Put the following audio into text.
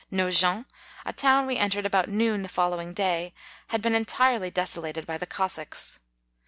Nogent, a town we entered about noon the following day, had been entirely deso lated by the Cossacs.